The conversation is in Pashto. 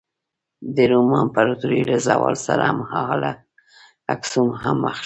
د روم امپراتورۍ له زوال سره هممهاله اکسوم هم مخ شو.